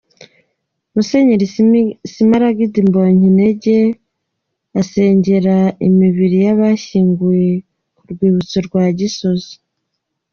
Mgr Smalagde Mbonyintege asengera imibiri y'abashyinguye ku Rwibutso rwa Gisozi .